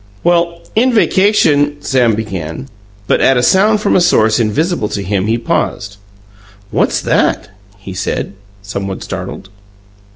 "Well, in vacation " Sam began; but at a sound from a source invisible to him he paused. "What's that?" he said, somewhat startled.